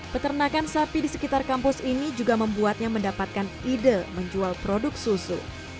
peternakan sapi di sekitar kampus ini juga membuatnya mendapatkan ide menjual produk susu